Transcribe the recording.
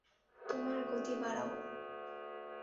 তোমার গতি বাড়াও।